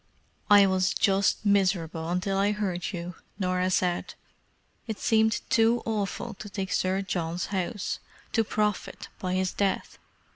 "I was just miserable until I heard you," Norah said. "It seemed too awful to take Sir John's house—to profit by his death.